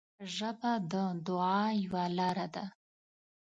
ژبه د دعا یوه لاره ده